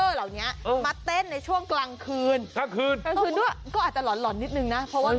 เฮ้ยอะไรนะเป็นอะไร